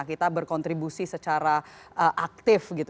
kita berkontribusi secara aktif